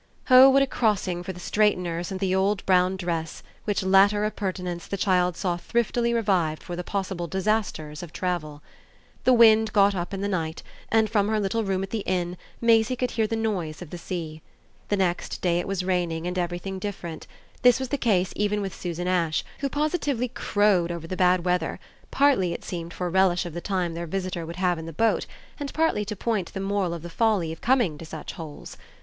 Oh what a crossing for the straighteners and the old brown dress which latter appurtenance the child saw thriftily revived for the possible disasters of travel! The wind got up in the night and from her little room at the inn Maisie could hear the noise of the sea. The next day it was raining and everything different: this was the case even with Susan Ash, who positively crowed over the bad weather, partly, it seemed, for relish of the time their visitor would have in the boat, and partly to point the moral of the folly of coming to such holes.